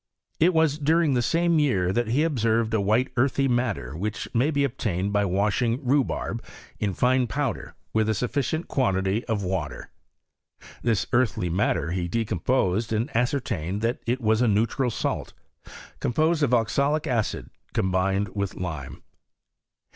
It was during the same year that he observed a white earthy matter, which may be obtained by washing rhubarb, in fine powder, with a sufficient quantity of water. • This earthy matter he decom posed, and ascertained that it was a neutral salt, composed of oxalic acid, combined with lime.